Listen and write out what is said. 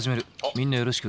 みんなよろしく。